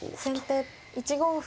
１五歩と。